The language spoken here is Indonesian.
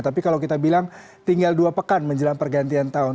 tapi kalau kita bilang tinggal dua pekan menjelang pergantian tahun